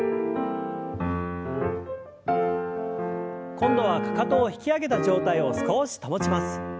今度はかかとを引き上げた状態を少し保ちます。